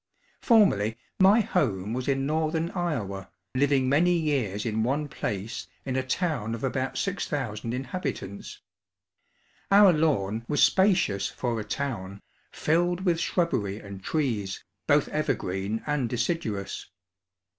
Formerly my home was in northern Iowa, living many years in one place in a town of about 6,000 inhabitants. Our lawn was spacious for a town, filled with shrubbery and trees, both evergreen and deciduous.